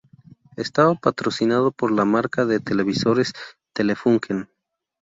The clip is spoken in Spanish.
Estaba patrocinado por la marca de televisores Telefunken.